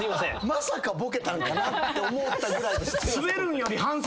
まさかボケたのかなって思ったぐらいですから。